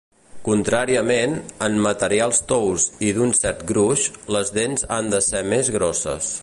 Contràriament, en materials tous i d'un cert gruix, les dents han de ser més grosses.